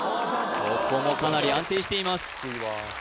ここもかなり安定しています